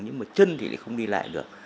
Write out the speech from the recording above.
nhưng mà chân thì lại không đi được